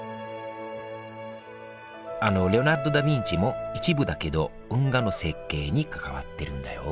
あのレオナルド・ダ・ヴィンチも一部だけど運河の設計に関わってるんだよ